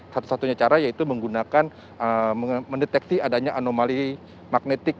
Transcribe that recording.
satu satunya cara yaitu menggunakan mendeteksi adanya anomali magnetik